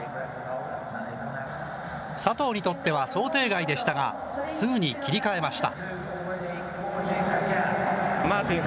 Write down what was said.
佐藤にとっては想定外でしたが、すぐに切り替えました。